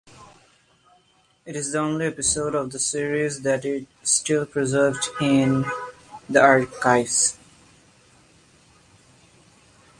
It is the only episode of the series that it still preserved in the archives.